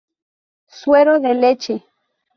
Suero de leche.